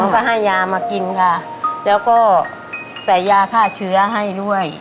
ก็ให้ยามากินค่ะแล้วก็ใส่ยาฆ่าเชื้อให้ด้วย